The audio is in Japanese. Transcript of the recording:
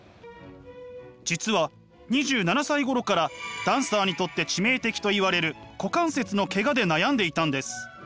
実は２７歳ごろからダンサーにとって致命的といわれる股関節のケガで悩んでいたんです。